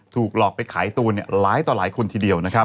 ถูกหลอกไปขายตูนหลายต่อหลายคนทีเดียวนะครับ